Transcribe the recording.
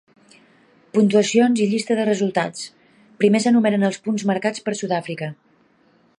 Puntuacions i llista de resultats. Primer s'enumeren els punts marcats per Sudàfrica.